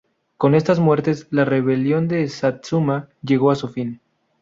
Con estas muertes, la "Rebelión de Satsuma" llegó a su fin.